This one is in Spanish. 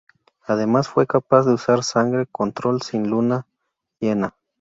Además, fue capaz de usar Sangre Control sin la luna llena.